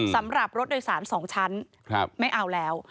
สำหรับรถโดยสาร๒ชั้นไม่เอาแล้ว